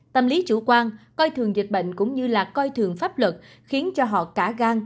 tâm lý chủ quan coi thường dịch bệnh cũng như là coi thường pháp luật khiến cho họ cả gan